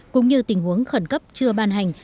cũng như tình huống khẩn cấp chưa ban hành